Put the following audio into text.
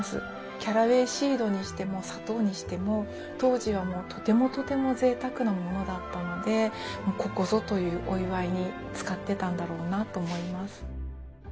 キャラウェイシードにしても砂糖にしても当時はとてもとても贅沢なものだったのでここぞというお祝いに使ってたんだろうなと思います。